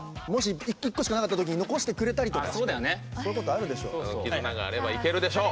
１個しかないときに残してくれたりとかそういうことあるでしょう。